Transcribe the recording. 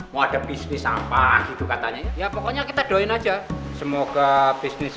mau ada bisnis sampah gitu katanya ya pokoknya kita doain aja semoga bisnis